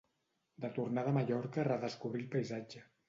De tornada a Mallorca redescobrí el paisatge.